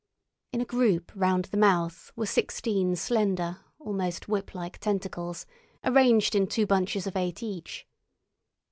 In a group round the mouth were sixteen slender, almost whiplike tentacles, arranged in two bunches of eight each.